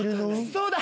そうだ。